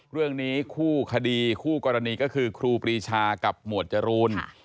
เรื่องนี้คู่คดีคู่กรณีก็คือครูปรีชากับหมวดจรูน